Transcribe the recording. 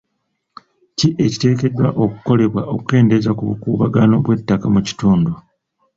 Ki ekiteekeddwa okukolebwa okukendeza ku bukuubagano bw'ettaka mu kitundu?